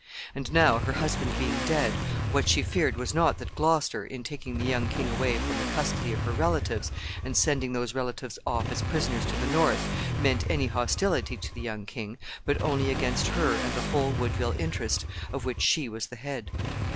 And now, her husband being dead, what she feared was not that Gloucester, in taking the young king away from the custody of her relatives, and sending those relatives off as prisoners to the north, meant any hostility to the young king, but only against her and the whole Woodville interest, of which she was the head.